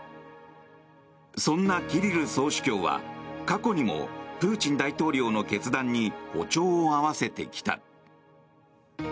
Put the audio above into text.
そんなキリル総主教は過去にもプーチン大統領の決断に歩調を合わせてきた。